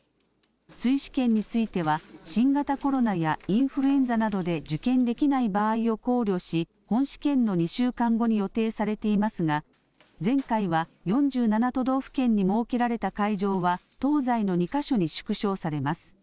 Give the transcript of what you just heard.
追試験については新型コロナやインフルエンザなどで受験できない場合を考慮し本試験の２週間後に予定されていますが前回は４７都道府県に設けられた会場は東西の２か所に縮小されます。